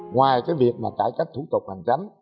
ngoài việc cải cách thủ tục hành chính